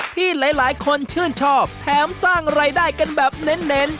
ที่หลายคนชื่นชอบแถมสร้างรายได้กันแบบเน้น